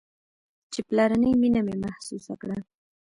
چې پلرنۍ مينه مې محسوسه كړه.